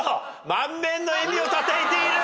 満面の笑みをたたえている。